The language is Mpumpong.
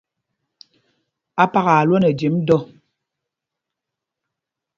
́Ápaka a lwɔɔ nɛ ɛjem dɔ.